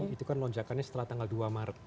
itu kan lonjakannya setelah tanggal dua maret